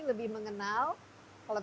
lebih mengenal kalau